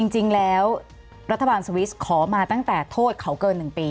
จริงแล้วรัฐบาลสวิสขอมาตั้งแต่โทษเขาเกิน๑ปี